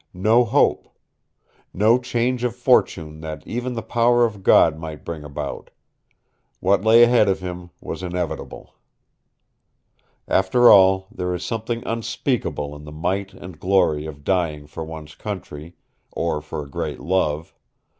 No hope. No change of fortune that even the power of God might bring about. What lay ahead of him was inevitable. After all, there is something unspeakable in the might and glory of dying for one's country or for a great love.